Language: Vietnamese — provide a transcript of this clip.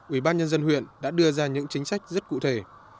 ủy ban nhân dân huyện đã đưa ra những chính sách rất cụ thể